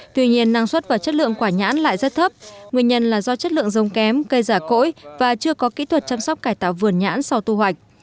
tuy nhiên năng suất và chất lượng quả nhãn lại rất thấp nguyên nhân là do chất lượng giống kém cây giả cỗi và chưa có kỹ thuật chăm sóc cải tạo vườn nhãn sau thu hoạch